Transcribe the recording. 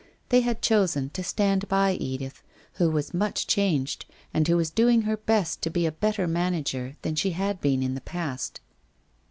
They had chosen to stand by Edith, who was much changed, and who was doing her best to be a better manager than she had been in the past.